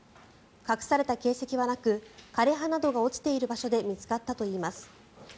隠された形跡はなく枯れ葉などが落ちている場所で見つかったといいます。